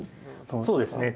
そうですね。